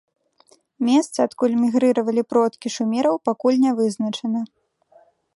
Месца, адкуль мігрыравалі продкі шумераў пакуль ня вызначана.